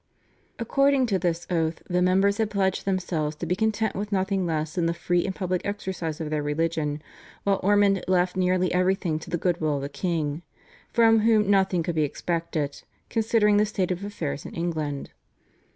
According to this oath the members had pledged themselves to be content with nothing less than the free and public exercise of their religion, while Ormond left nearly everything to the good will of the king, from whom nothing could be expected considering the state of affairs in England.